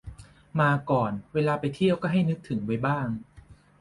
มาก่อนเวลาไปเที่ยวก็ให้นึกถึงไว้บ้าง